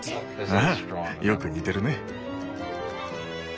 ああよく似てるね。